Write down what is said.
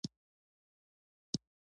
ځنګلونه د افغانستان د سیاسي جغرافیه برخه ده.